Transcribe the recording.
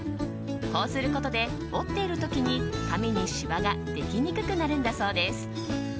こうすることで折っている時に紙にしわができにくくなるんだそうです。